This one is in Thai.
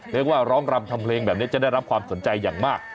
เรียกว่าร้องรำทำเพลงแบบนี้จะได้รับความสนใจอย่างมาก